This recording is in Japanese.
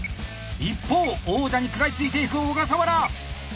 一方王者に食らいついていく小笠原。